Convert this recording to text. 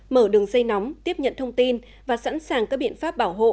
mở đường dây nóng tiếp nhận thông tin và sẵn sàng các biện pháp bảo hộ